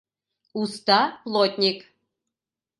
Уста плотник.